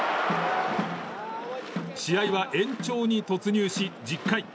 試合は延長に突入し１０回。